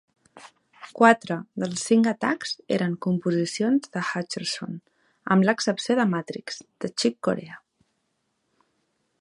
Quatre dels cinc atacs eren composicions de Hutcherson, amb l"excepció de "Matrix" de Chick Corea.